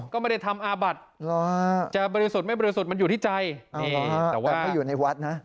ก็ไม่ได้ทำอาบัติจะบริสุทธิ์ไม่บริสุทธิ์มันอยู่ที่ใจ